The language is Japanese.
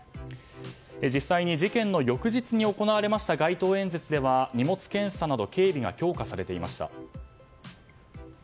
実際に事件の翌日に行われた街頭演説では荷物検査など警備が強化されていました。